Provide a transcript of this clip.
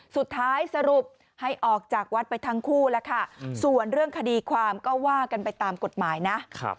สรุปให้ออกจากวัดไปทั้งคู่แล้วค่ะส่วนเรื่องคดีความก็ว่ากันไปตามกฎหมายนะ